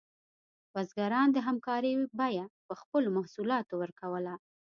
بزګران د همکارۍ بیه په خپلو محصولاتو ورکوله.